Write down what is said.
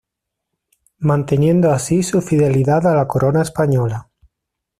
Manteniendo así su fidelidad a la Corona española.